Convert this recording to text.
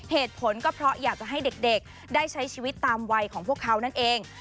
เหตุผลก็เพราะอยากจะให้เด็กได้ใช้ชีวิตตามวัยของพวกเขานั่นเอง